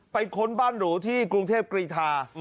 ค้นบ้านหรูที่กรุงเทพกรีธา